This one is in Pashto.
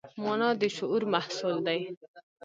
مانا د شعور محصول دی.